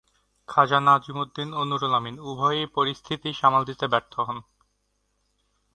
খাজা নাজিমুদ্দিন ও নুরুল আমিন উভয়েই পরিস্থিতি সামাল দিতে ব্যর্থ হন।